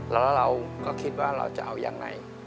แล้วเราก็คิดว่าเราจะเอายังไง